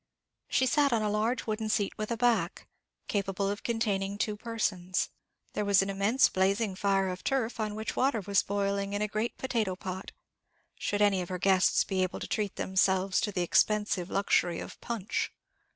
She sat on a large wooden seat with a back, capable of containing two persons; there was an immense blazing fire of turf, on which water was boiling in a great potato pot, should any of her guests be able to treat themselves to the expensive luxury of punch.